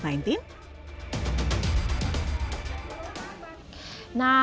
nah sudah pasti ketemu semua itu merasa kesusahan kan